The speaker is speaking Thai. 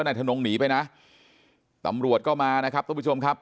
นายทนงหนีไปนะตำรวจก็มานะครับทุกผู้ชมครับ